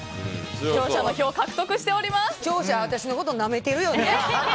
視聴者、私のことなめてるよね。